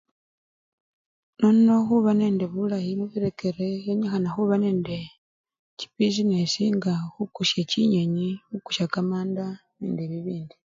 Nono khuba nende bulayi mubirekere yenyikhana khuba nende chibisinesi nga khukusya chinyenyi, khukusya kamanda nende bibindi.